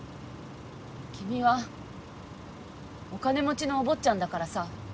君はお金持ちのお坊ちゃんだからさ。